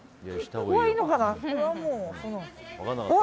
ここはいいのかな。